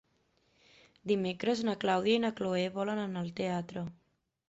Dimecres na Clàudia i na Cloè volen anar al teatre.